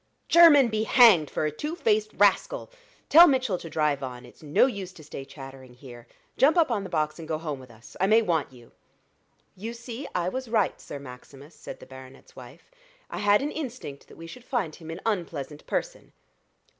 "Jermyn be hanged for a two faced rascal! Tell Mitchell to drive on. It's of no use to stay chattering here. Jump up on the box and go home with us. I may want you." "You see I was right, Sir Maximus," said the baronet's wife. "I had an instinct that we should find him an unpleasant person."